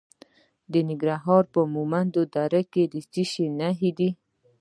د ننګرهار په مومند دره کې د څه شي نښې دي؟